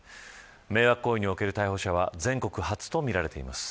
迷惑行為における逮捕者は全国初とみられています。